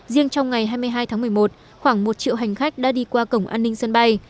riêng trong ngày hai mươi hai tháng một mươi một khoảng một triệu hành khách đã đi qua cổng an ninh sân bay